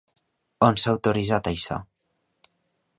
On s'ha autoritzat això?